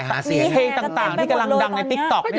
เสียงเพลงต่างที่กำลังดังในติ๊กต๊อก